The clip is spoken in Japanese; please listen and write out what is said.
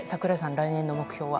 来年の目標は？